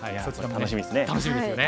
楽しみですね。